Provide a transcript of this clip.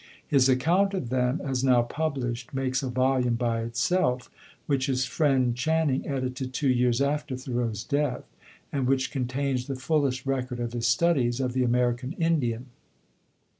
His account of them, as now published, makes a volume by itself, which his friend Channing edited two years after Thoreau's death, and which contains the fullest record of his studies of the American Indian.